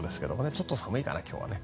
ちょっと寒いかな、今日はね。